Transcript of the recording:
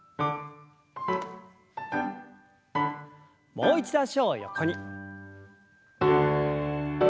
もう一度脚を横に。